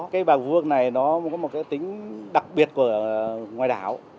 cái bàn vuông này nó có một cái tính đặc biệt của ngoài đảo